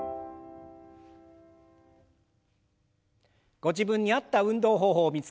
ご自分に合った運動方法を見つけ